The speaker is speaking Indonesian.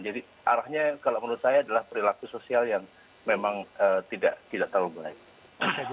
jadi arahnya kalau menurut saya adalah perilaku sosial yang memang tidak terlalu baik